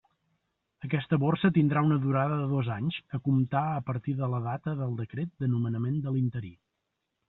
Aquesta borsa tindrà una durada de dos anys, a comptar a partir de la data del Decret de nomenament de l'interí.